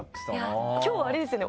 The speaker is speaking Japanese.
今日あれですよね？